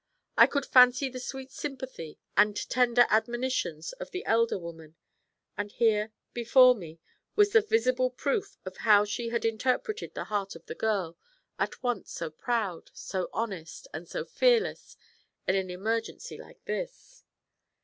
I could fancy the sweet sympathy and tender admonitions of the elder woman; and here, before me, was the visible proof of how she had interpreted the heart of the girl, at once so proud, so honest, and so fearless in an emergency like this.